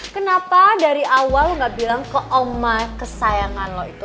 kenapa dari awal gak bilang ke oma kesayangan loh itu